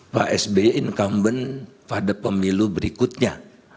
pak sby incumbent pada pemilu berikutnya